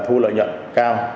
thu lợi nhận cao